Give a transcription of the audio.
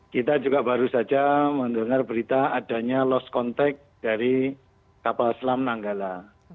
kita juga baru saja mendengar berita adanya lost contact dari kapal selam nanggala